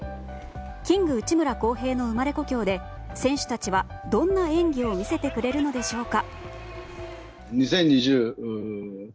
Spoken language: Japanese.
キング・内村航平の生まれ故郷で選手たちはどんな演技を見せてくれるのでしょうか。